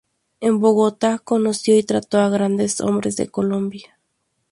En Bogotá conoció y trató a grandes hombres de Colombia.